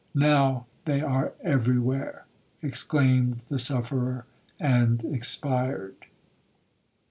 'Now they are every where,' exclaimed the sufferer, and expired.